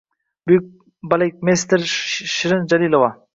yosh balekmeystr Shirin Jalilova